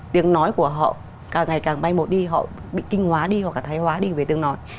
tiếng nói của họ càng ngày càng may một đi họ bị kinh hóa đi họ cả thái hóa đi về tiếng nói